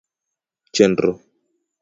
Chenro: